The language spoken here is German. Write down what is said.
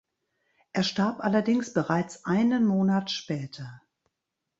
Er starb allerdings bereits einen Monat später.